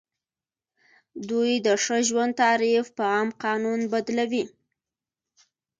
دوی د ښه ژوند تعریف په عام قانون بدلوي.